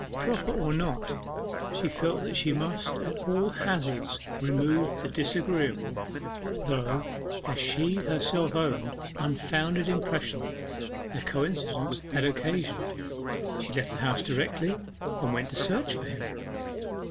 Proper or not, she felt that she must at all hazards remove the disagreeable, though, as she herself owned, unfounded impression the coincidence had occasioned. She left the house directly, and went to search for him.